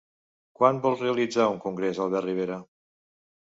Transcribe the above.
Quan vol realitzar un congrés Albert Rivera?